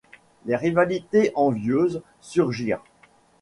Les rivalités envieuses surgirent.